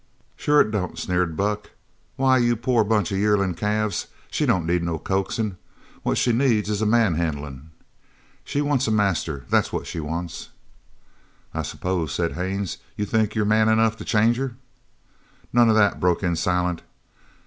"Sure it don't," sneered Buck. "Why, you poor bunch of yearlin' calves, she don't need no coaxin'. What she needs is a manhandlin'. She wants a master, that's what she wants." "I suppose," said Haines, "you think you're man enough to change her?" "None of that!" broke in Silent.